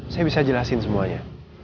saya bisa jelasin semuanya